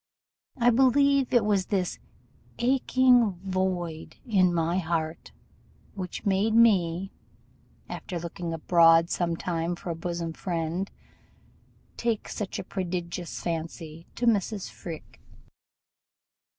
I believe it was this 'aching void' in my heart which made me, after looking abroad some time for a bosom friend, take such a prodigious fancy to Mrs. Freke.